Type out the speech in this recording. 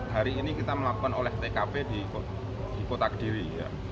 hari ini kita melakukan oleh tkp di kota kediri